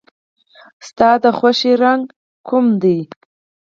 ستا د خوښې رنګ کوم دی؟